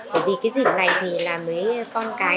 bởi vì cái dịp này thì là mấy con cái nó mới được nghỉ nhiều